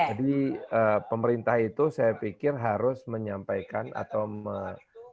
jadi pemerintah itu saya pikir harus menyampaikan atau menjelaskan